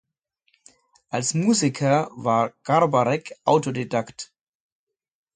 Als Musiker war Garbarek Autodidakt.